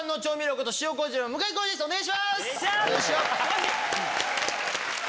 お願いします。